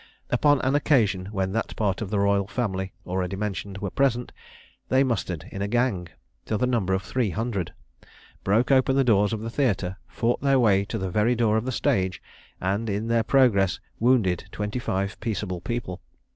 Upon an occasion when that part of the royal family already mentioned were present, they mustered in a gang, to the number of three hundred; broke open the doors of the theatre, fought their way to the very door of the stage, and, in their progress, wounded twenty five peaceable people.